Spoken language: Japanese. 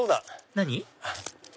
何？